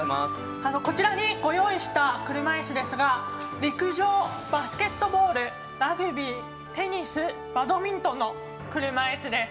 こちらにご用意した車いすですが陸上、バスケットボールラグビー、テニスバドミントンの車いすです。